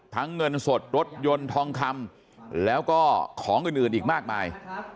เงินสดรถยนต์ทองคำแล้วก็ของอื่นอีกมากมาย